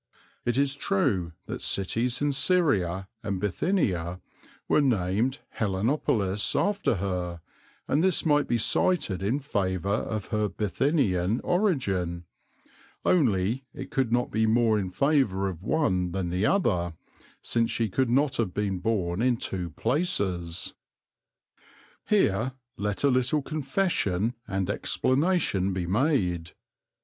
It is true that cities in Syria and Bithynia were named Helenopolis after her, and this might be cited in favour of her Bithynian origin, only it could not be more in favour of one than the other, since she could not have been born in two places. Here let a little confession and explanation be made.